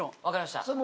分かりました。